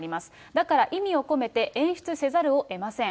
だから意味を込めて演出せざるをえません。